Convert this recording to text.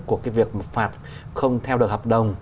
của việc phạt không theo được hợp đồng